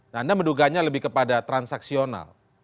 nah anda menduganya lebih kepada transaksional